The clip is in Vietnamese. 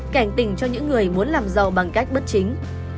cảnh tình cho những người muốn làm giàu bằng cách bất chính